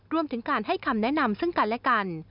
รวมถึงการให้คำแนะนำซึ่งกันและกัน